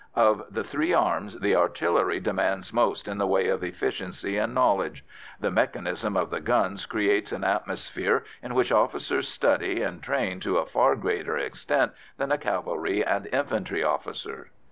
Of the three arms, the artillery demands most in the way of efficiency and knowledge; the mechanism of the guns creates an atmosphere in which officers study and train to a far greater extent than cavalry and infantry officers.